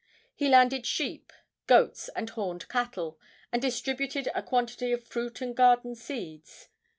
He landed sheep, goats and horned cattle, and distributed a quantity of fruit and garden seeds.